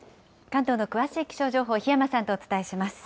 関東の詳しい気象情報、檜山さんとお伝えします。